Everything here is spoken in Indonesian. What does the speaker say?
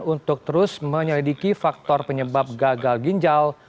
untuk terus menyelidiki faktor penyebab gagal ginjal